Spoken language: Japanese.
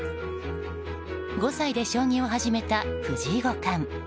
５歳で将棋を始めた藤井五冠。